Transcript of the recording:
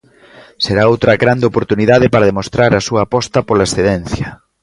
Será outra grande oportunidade para demostrar a súa aposta pola excelencia.